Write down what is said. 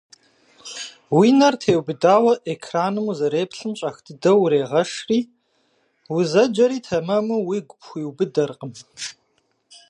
Уи нэр теубыдауэ экраным узэреплъым щӀэх дыдэу урегъэшри, узэджэри тэмэму уигу пхуиубыдэркъым.